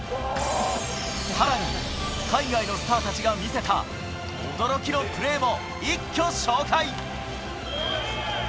さらに海外のスターたちが見せた驚きのプレーも一挙紹介。